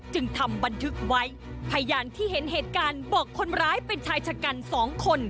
จึงทำบันทึกไว้พยานที่เห็นเหตุการณ์บอกคนร้ายเป็นชายชะกันสองคน